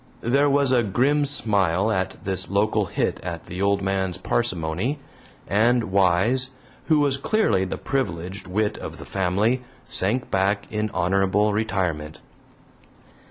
There was a grim smile at this local hit at the old man's parsimony, and Wise, who was clearly the privileged wit of the family, sank back in honorable retirement.